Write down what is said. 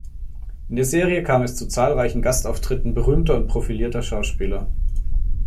In der Serie kam es zu zahlreichen Gastauftritten berühmter und profilierter Schauspieler.